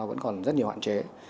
vẫn còn rất nhiều hạn chế